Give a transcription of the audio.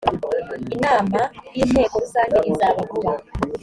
inama y ‘inteko rusange izaba vuba.